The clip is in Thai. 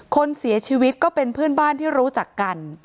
คนเสียชีวิตก็เป็นเพื่อนบ้านที่รู้จักกัน